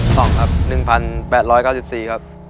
ตอบครับหนึ่งพันแปดร้อยเก้าสิบสี่ครับ